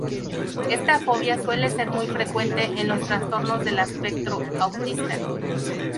Esta fobia suele ser muy frecuente en los trastornos del espectro autista.